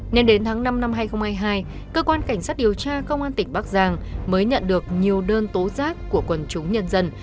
nên đến tháng năm năm hai nghìn hai mươi hai cơ quan cảnh sát điều tra công an tỉnh bắc giang mới nhận được nhiều đơn tố giác của quần chúng nhân dân